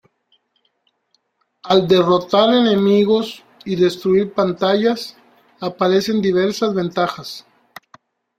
Al derrotar enemigos y destruir pantallas aparecen diversas ventajas.